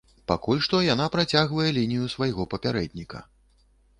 Пакуль што яна працягвае лінію свайго папярэдніка.